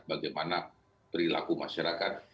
bagaimana perilaku masyarakat